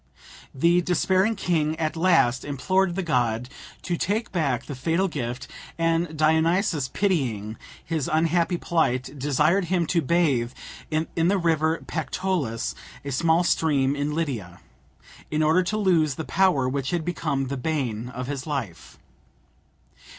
The despairing king at last implored the god to take back the fatal gift, and Dionysus, pitying his unhappy plight, desired him to bathe in the river Pactolus, a small stream in Lydia, in order to lose the power which had become the bane of his life.